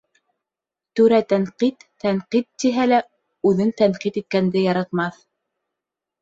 Түрә «тәнҡит», «тәнҡит» тиһә лә, үҙен тәнҡит иткәнде яратмаҫ.